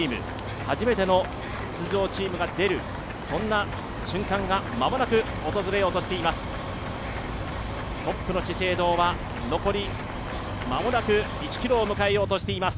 初めての出場チームが出る、そんな瞬間が間もなく訪れようとしています。